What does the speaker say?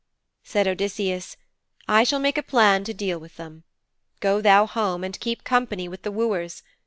Said Odysseus, 'I shall make a plan to deal with them. Go thou home, and keep company with the wooers.